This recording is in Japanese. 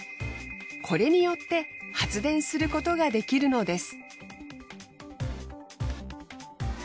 これによって発電することができるのです。